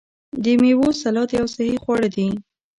د میوو سلاد یو صحي خواړه دي.